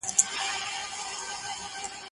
زه به درسونه اورېدلي وي